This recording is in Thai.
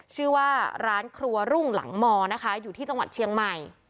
ชื่อว่าร้านครัวรุ่งหลังมนะคะอยู่ที่จังหวัดเชียงใหม่